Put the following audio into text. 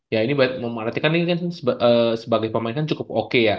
ya ini mematikan sebagai pemain kan cukup oke ya